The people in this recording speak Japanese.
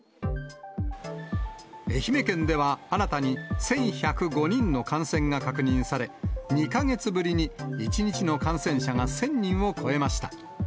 愛媛県では、新たに１１０５人の感染が確認され、２か月ぶりに１日の感染者が１０００人を超えました。